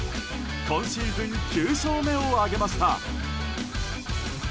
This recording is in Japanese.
今シーズン９勝目を挙げました。